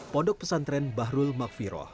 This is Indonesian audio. pondok pesantren bahrul maqviroh